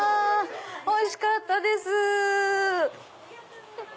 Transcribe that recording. おいしかったです！